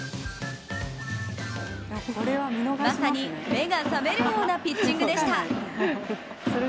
まさに、目が覚めるようなピッチングでした。